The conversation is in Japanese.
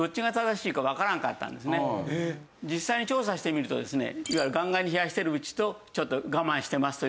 実際に調査してみるとですね。